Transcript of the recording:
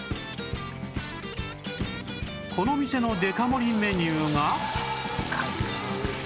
この店のデカ盛りメニューが